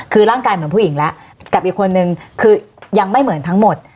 คือร่างกายเหมือนผู้หญิงแล้วกับอีกคนนึงคือยังไม่เหมือนทั้งหมด